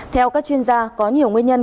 theo các chuyên gia có nhiều nguyên nhân